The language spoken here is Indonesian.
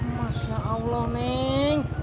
masya allah neng